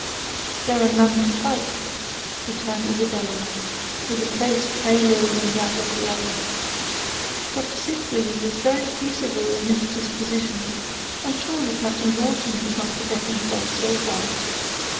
"There are none to fight," returned Isabella, with a face paler than that of the other. "Dr. Sitgreaves is very peaceable in his disposition, and surely Captain Lawton would not forget himself so far."